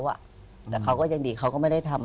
แต่เขาก็ยังดีเขาก็ไม่ได้ทำ